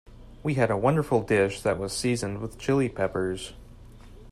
We had a wonderful dish that was seasoned with Chili Peppers.